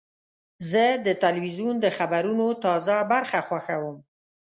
زه د تلویزیون د خبرونو تازه برخه خوښوم.